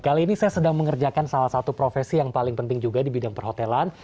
kali ini saya sedang mengerjakan salah satu profesi yang paling penting juga di bidang perhotelan